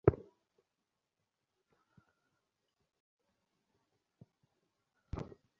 আশা করি খুব শীঘ্রই এটা বৃক্ষে পরিণত হবে।